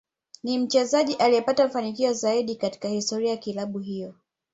Ni mchezaji aliyepata mafanikio zaidi katika historia ya kilabu hiyo